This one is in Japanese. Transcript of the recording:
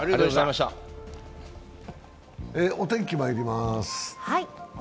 お天気まいります。